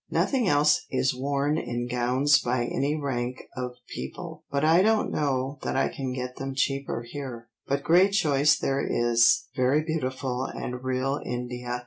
Nothing else is worn in gowns by any rank of people, but I don't know that I can get them cheaper here, but great choice there is, very beautiful and real India."